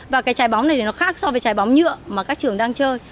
và cái trái bóng này nó khác so với trái bóng nhựa mà các trường đang chơi